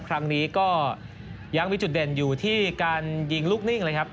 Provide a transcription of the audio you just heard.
ครั้งนี้ก็ยังมีจุดเด่นอยู่ที่การยิงลูกนิ่งเลยครับ